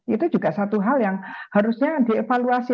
itu juga satu hal yang harusnya dievaluasi